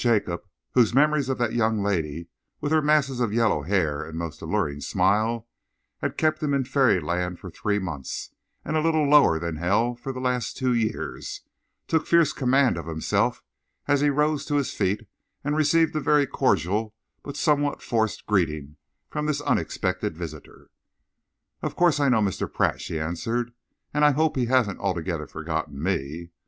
Jacob, whose memories of that young lady, with her masses of yellow hair and most alluring smile, had kept him in fairyland for three months, and a little lower than hell for the last two years, took fierce command of himself as he rose to his feet and received a very cordial but somewhat forced greeting from this unexpected visitor. "Of course I know Mr. Pratt," she answered, "and I hope he hasn't altogether forgotten me.